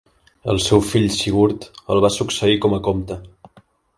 El seu fill Sigurd el va succeir com a comte.